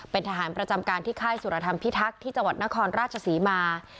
เป็นทหารประจำการที่ค่ายสุรธรรมพิทักษ์ที่จังหวัดนครราชศรีมา